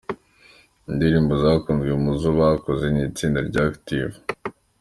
Indirimbo zakunzwe mu zo bakoze nk’itsinda rya Active.